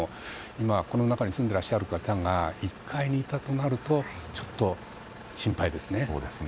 今はこの中に住んでいらっしゃる方が１階にいたとなると少し心配ですね。